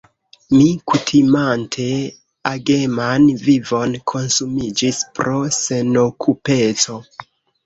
Mi, kutimante ageman vivon, konsumiĝis pro senokupeco.